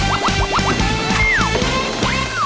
ออกมาจอ